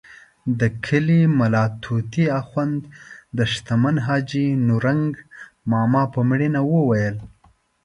د کلي ملا طوطي اخند د شتمن حاجي نورنګ ماما په مړینه وویل.